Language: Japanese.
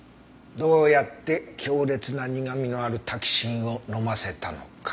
どうやって強烈な苦味のあるタキシンを飲ませたのか？